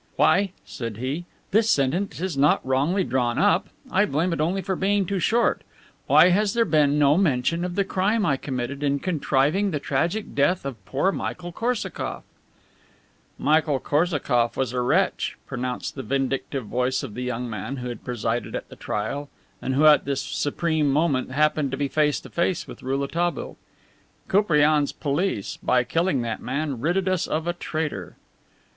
"Why," said he, "this sentence is not wrongly drawn up. I blame it only for being too short. Why has there been no mention of the crime I committed in contriving the tragic death of poor Michael Korsakoff?" "Michael Korsakoff was a wretch," pronounced the vindictive voice of the young man who had presided at the trial and who, at this supreme moment, happened to be face to face with Rouletabille. "Koupriane's police, by killing that man, ridded us of a traitor."